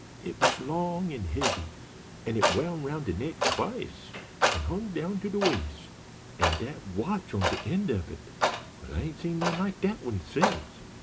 "It was long an' heavy, an' it woun' roun' de neck twice an' hung down to de wais'. An' dat watch on de end of it! Well, I ain't seen none like dat one sence.